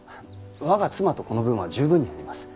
我が妻と子の分は十分にあります。